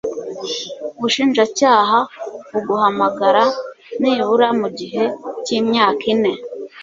ubushinjacyaha buguhamagara nibura mugihe cy imyaka ine